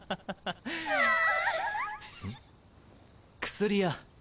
薬屋。